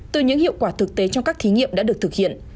từ những hiệu quả thực tế trong các thí nghiệm đã được thực hiện